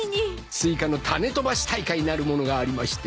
スイカの種飛ばし大会なるものがありまして